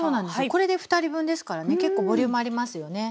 これで２人分ですからね結構ボリュームありますよね。